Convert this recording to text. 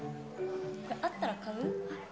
あったら買う？